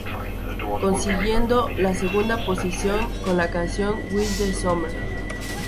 Consiguiendo la segunda posición con la canción "With the summer".